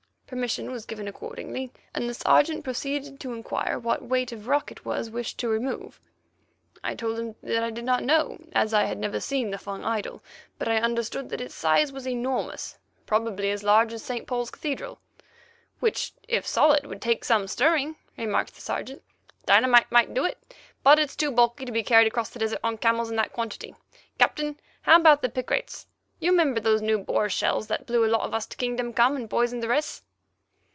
Permission was given accordingly, and the Sergeant proceeded to inquire what weight of rock it was wished to remove. I told him that I did not know, as I had never seen the Fung idol, but I understood that its size was enormous, probably as large as St. Paul's Cathedral. "Which, if solid, would take some stirring," remarked the Sergeant. "Dynamite might do it, but it is too bulky to be carried across the desert on camels in that quantity. Captain, how about them picrates? You remember those new Boer shells that blew a lot of us to kingdom come, and poisoned the rest?"